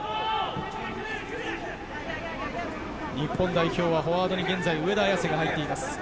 日本代表はフォワードに上田綺世が入っています。